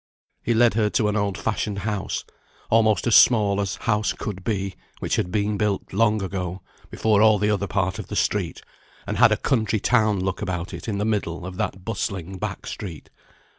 He led her to an old fashioned house, almost as small as house could be, which had been built long ago, before all the other part of the street, and had a country town look about it in the middle of that bustling back street.